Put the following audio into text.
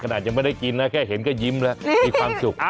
ขนาดยังไม่ได้กินนะแค่เห็นก็ยิ้มแล้วมีความสุข